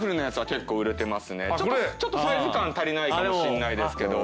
ちょっとサイズ感足りないかもしんないですけど。